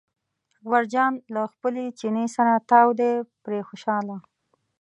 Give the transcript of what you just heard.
اکبر جان له خپل چیني سره تاو دی پرې خوشاله.